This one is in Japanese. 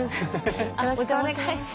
よろしくお願いします。